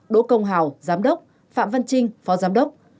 đỗ công hào giám đốc phạm văn trinh phó giám đốc